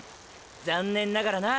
残念ながらな！！